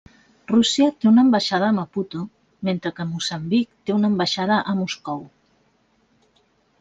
Rússia té una ambaixada a Maputo mentre que Moçambic té una ambaixada a Moscou.